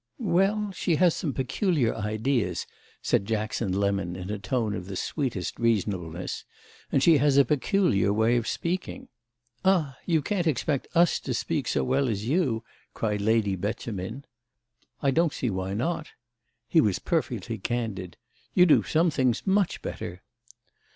"Well, she has some peculiar ideas," said Jackson Lemon in a tone of the sweetest reasonableness, "and she has a peculiar way of speaking." "Ah, you can't expect us to speak so well as you!" cried Lady Beauchemin. "I don't see why not." He was perfectly candid. "You do some things much better."